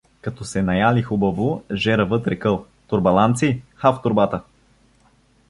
Като се наяли хубаво, жеравът рекъл: — Торбаланци, ха в торбата!